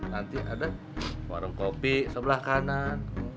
nanti ada warung kopi sebelah kanan